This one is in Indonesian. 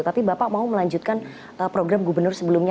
tapi bapak mau melanjutkan program gubernur sebelumnya